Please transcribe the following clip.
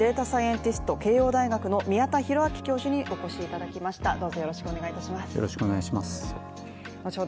サイエンティスト慶応大学の宮田裕章教授にお越しいただきました。